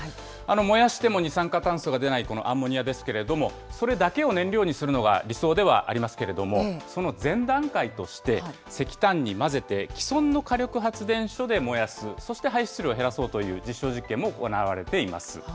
燃やしても二酸化炭素が出ないこのアンモニアですけれども、それだけを燃料にするのが理想ではありますけれども、その前段階として、石炭に混ぜて既存の火力発電所で燃やす、そして排出量を減らそうという実証実験も行われています。